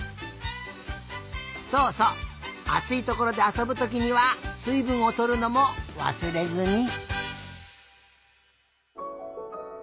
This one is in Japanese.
そうそうあついところであそぶときにはすいぶんをとるのもわすれずに。